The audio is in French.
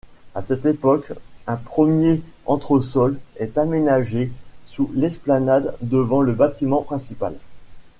À cette époque, un premier entresol est aménagé sous l'esplanade devant le bâtiment principal.